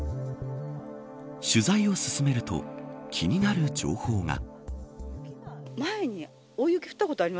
取材を進めると気になる情報が。